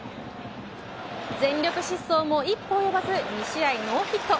全力疾走も一歩及ばず２試合ノーヒット。